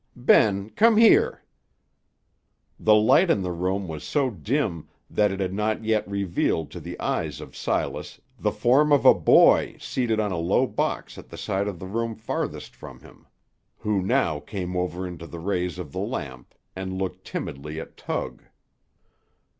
Ben, come here." The light in the room was so dim that it had not yet revealed to the eyes of Silas the form of a boy seated on a low box at the side of the room farthest from him, who now came over into the rays of the lamp, and looked timidly at Tug.